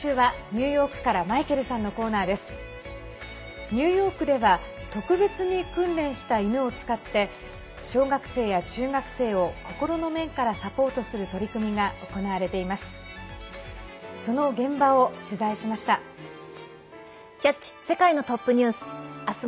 ニューヨークでは特別に訓練した犬を使って小学生や中学生を心の面からサポートする取り組みが行われています。